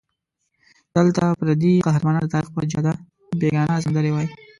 دلته پردي قهرمانان د تاریخ پر جاده بېګانه سندرې وایي.